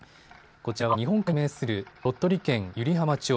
こちらは日本海に面する鳥取県湯梨浜町。